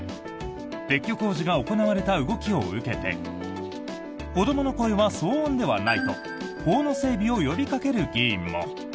撤去工事が行われた動きを受けて子どもの声は騒音ではないと法の整備を呼びかける議員も。